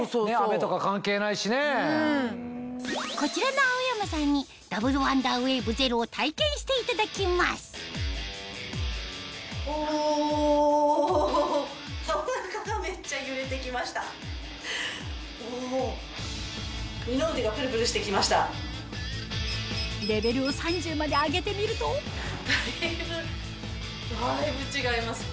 こちらの青山さんにダブルワンダーウェーブゼロを体験していただきますだいぶだいぶ違います。